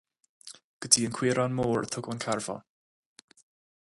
Go dtí an Caorán Mór a tugadh an carbhán.